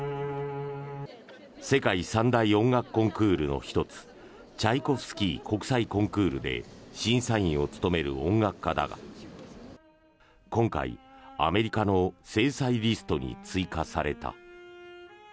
世界三大音楽コンクールの１つチャイコフスキー国際コンクールで審査員を務める音楽家だが今回、アメリカの制裁リストに追加された。